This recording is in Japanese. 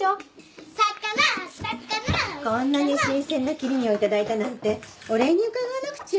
こんなに新鮮な切り身を頂いたなんてお礼に伺わなくちゃ。